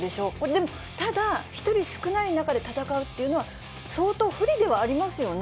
でも、ただ、１人少ない中で戦うというのは、相当不利ではありますよね。